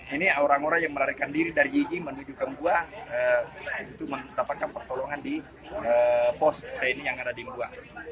ini orang orang yang melarikan diri dari yigi menuju ke mugua itu mendapatkan pertolongan di pos tni angkatan barat di mugua